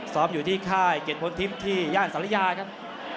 อยู่ที่ค่ายเกียรติพลทิพย์ที่ย่านศาลยาครับ